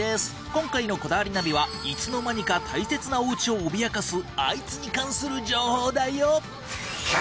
今回の『こだわりナビ』はいつの間にか大切なお家を脅かすあいつに関する情報だよ。